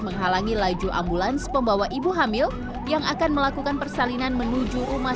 menghalangi laju ambulans pembawa ibu hamil yang akan melakukan persalinan menuju rumah